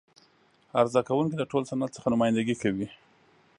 عرضه کوونکی د ټول صنعت څخه نمایندګي کوي.